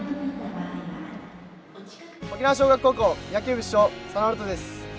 沖縄尚学高校野球部主将・佐野春斗です。